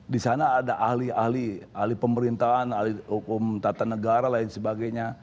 di sana ada ahli ahli ahli pemerintahan ahli hukum tata negara lain sebagainya